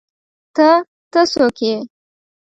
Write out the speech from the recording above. _ته، ته، څوک يې؟